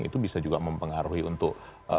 itu bisa juga mempengaruhi untuk